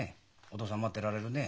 お父さん待ってられるね？